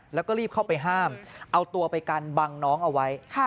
แล้วก็รีบเข้าไปห้ามเอาตัวไปกันบังน้องเอาไว้